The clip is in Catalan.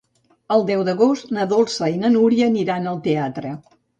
El deu d'agost na Dolça i na Núria aniran al teatre.